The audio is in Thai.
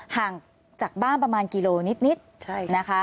ห่างจากบ้านประมาณกิโลนิดนะคะ